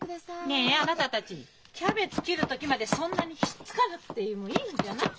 ねえあなたたちキャベツ切る時までそんなにひっつかなくてもいいんじゃない？